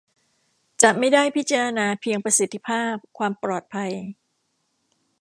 จะไม่ได้พิจารณาเพียงประสิทธิภาพ ความปลอดภัย